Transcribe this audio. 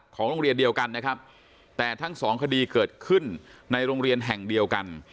โรงเรียนเดียวกันนะครับแต่ทั้งสองคดีเกิดขึ้นในโรงเรียนแห่งเดียวกัน